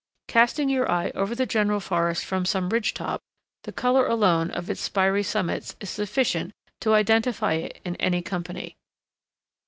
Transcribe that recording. Casting your eye over the general forest from some ridge top, the color alone of its spiry summits is sufficient to identify it in any company.